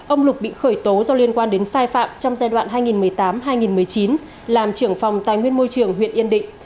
ông lục bị khởi tố do liên quan đến sai phạm trong giai đoạn hai nghìn một mươi tám hai nghìn một mươi chín làm trưởng phòng tài nguyên môi trường huyện yên định